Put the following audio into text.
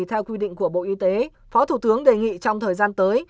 theo quy định của bộ y tế phó thủ tướng đề nghị trong thời gian tới